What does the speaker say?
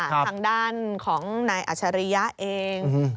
นี่แหละค่ะทางด้านของนายอัชริยะเอง